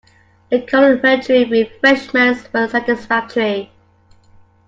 The complimentary refreshments were satisfactory.